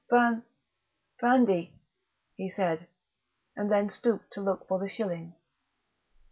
"B b bran brandy," he said, and then stooped to look for the shilling.